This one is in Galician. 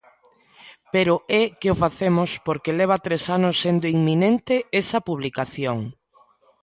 Pero é que o facemos porque leva tres anos sendo inminente esa publicación.